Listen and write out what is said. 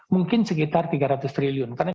mungkin sekitar tiga ratus triliun karena